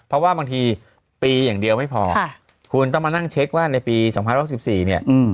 เพราะว่าบางทีปีอย่างเดียวไม่พอคุณต้องมานั่งเช็คว่าในปี๒๐๖๔เนี่ย